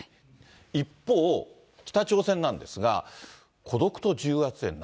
一方、北朝鮮なんですが、孤独と重圧で涙。